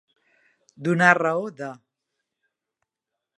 Donar raó de.